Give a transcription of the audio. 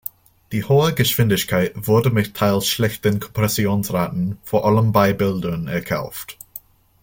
Die hohe Geschwindigkeit wurde mit teils schlechten Kompressionsraten, vor allem bei Bildern, erkauft.